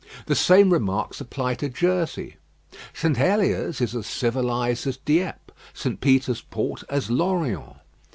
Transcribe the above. The same remarks apply to Jersey. St. Helier's is as civilised as Dieppe, St. Peter's Port as L'Orient.